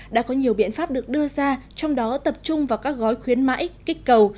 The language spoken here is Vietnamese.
đã có nhiều biện pháp được đưa ra trong đó tập trung vào các gói khuyến mãi kích cầu